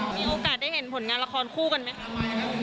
มีโอกาสได้เห็นผลงานละครคู่กันไหมคะ